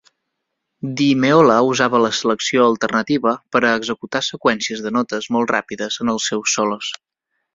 Di Meola usava la selecció alternativa per a executar seqüències de notes molt ràpides en els seus solos.